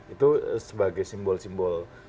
itu sebagai simbol simbol